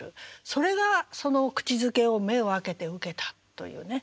それがその「口づけを目を開けて受けた」というね。